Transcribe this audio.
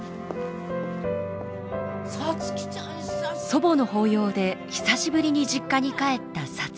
祖母の法要で久しぶりに実家に帰った皐月。